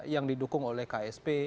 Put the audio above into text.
yang didukung oleh ksp